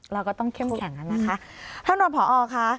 เราก็ต้องเข้มแข็งครั้นนะคะ